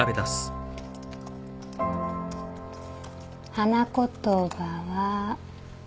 花言葉は。